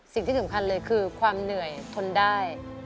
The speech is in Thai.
สิ่งที่สำคัญเลยคือความเหนื่อยทนได้